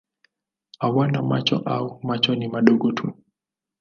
Hawana macho au macho ni madogo tu.